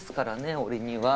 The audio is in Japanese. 俺には。